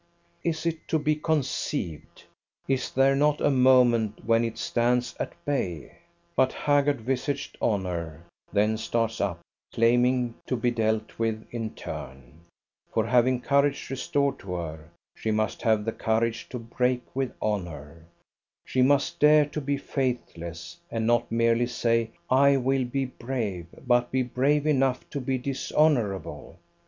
Is it to be conceived? Is there not a moment when it stands at bay? But haggard visaged Honour then starts up claiming to be dealt with in turn; for having courage restored to her, she must have the courage to break with honour, she must dare to be faithless, and not merely say, I will be brave, but be brave enough to be dishonourable.